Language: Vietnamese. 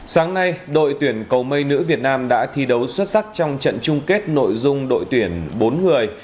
sáng nay đội tuyển cầu mây nữ việt nam đã thi đấu xuất sắc trong trận chung kết nội dung đội tuyển bốn người